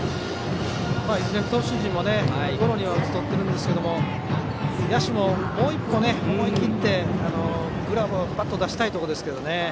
いずれの投手陣もゴロには打ち取ってるんですけど野手のもう一歩、思い切ってグラブをぱっと出したいところですね。